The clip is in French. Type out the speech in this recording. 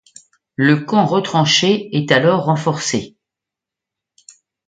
Le camp retranché est alors renforcé.